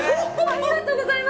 ありがとうございます！